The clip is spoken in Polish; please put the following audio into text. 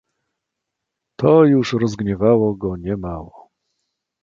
"To już rozgniewało go nie mało."